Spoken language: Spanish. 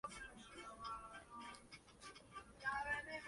Jorge Luis Borges y Elena Quiroga citan en su obra narrativa el "Voyage".